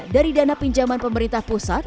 dari dana pinjaman pemerintah pusat